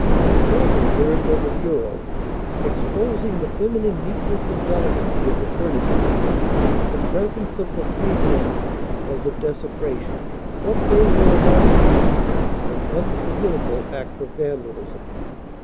A candle burned on the bureau, exposing the feminine neatness and delicacy of the furnishings. The presence of the three men was a desecration; what they were about to do, an unforgivable act of vandalism.